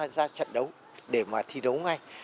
ra trận đấu để mà thi đấu ngay